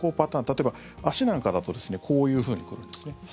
例えば、足なんかだとこういうふうに来るんですね。